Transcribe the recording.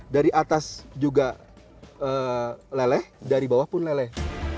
dari atas juga leleh dari bawah pun leleh